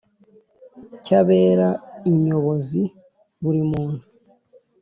cyabera inyobozi buri muntu